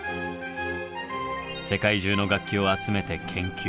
世界中の楽器を集めて研究。